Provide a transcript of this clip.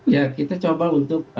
ya kita coba untuk